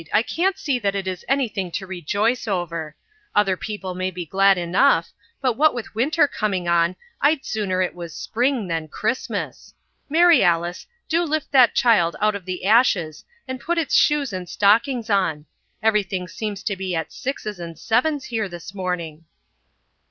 I can't see that it is anything for us to rejoice over. Other people may be glad enough, but what with winter coming on I'd sooner it was spring than Christmas. Mary Alice, do lift that child out of the ashes and put its shoes and stockings on. Everything seems to be at sixes and sevens here this morning."